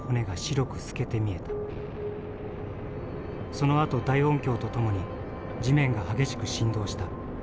そのあと大音響と共に地面が激しく振動した。